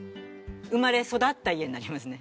生まれ育った家になりますね。